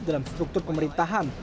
dalam struktur pemerintahan